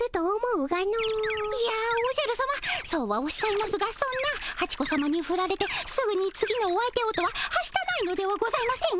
いやおじゃるさまそうはおっしゃいますがそんなハチ子さまにフラれてすぐに次のお相手をとははしたないのではございませんか？